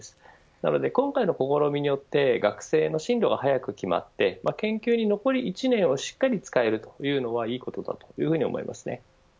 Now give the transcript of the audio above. なので、今回の試みによって学生の進路が早く決まって研究に残り１年をしっかり使えるというのはいいことだというふうに思いますね。